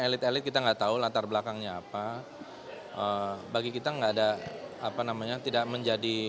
elit elit kita nggak tahu latar belakangnya apa bagi kita enggak ada apa namanya tidak menjadi